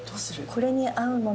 これに合うもの。